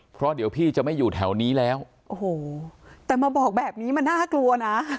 เพราะเดี๋ยวพี่จะไม่อยู่แถวนี้แล้วโอ้โหแต่มาบอกแบบนี้มันน่ากลัวนะ